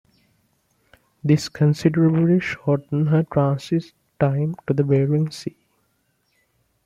This considerably shortened her transit time to the Bering Sea.